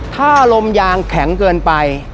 ถ้าลมยางแข็งเกินไป